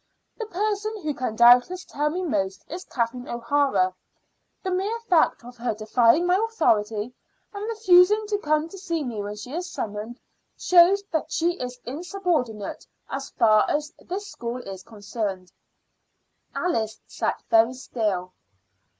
The person who can doubtless tell me most is Kathleen O'Hara. The mere fact of her defying my authority and refusing to come to see me when she is summoned, shows that she is insubordinate as far as this school is concerned." Alice sat very still.